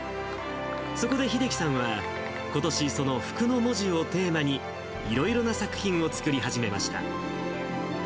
そこで秀樹さんは、ことし、その福の文字をテーマに、いろいろな作品を作り始めました。